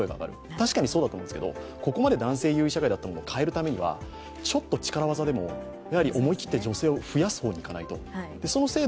確かにそうだと思うんですけど、ここまで男性優位社会だったものを変えるためにはちょっと力技でも、思い切って女性を増やす方向にいかないと。